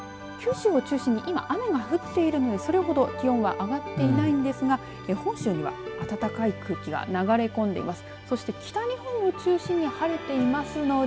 きょうは九州を中心に今、雨が降っているのでそれほど気温は上がっていないんですが本州には暖かい空気が流れ込んでいます。